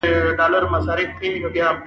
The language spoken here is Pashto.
دوی تر یوې لویې تبۍ ډوله کړایۍ شاخوا ناست وو.